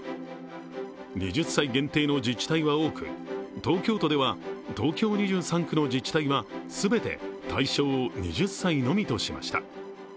２０歳限定の自治体は多く、東京都では東京２３区の自治体は全て対象を２０歳のみとしました。